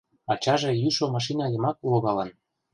Ачаже йӱшӧ машина йымак логалын.